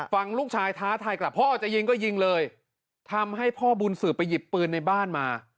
ฟังลูกชายท้าทายกลับพ่อจะยิงก็ยิงเลยทำให้พ่อบุญสืบไปหยิบปืนในบ้านมา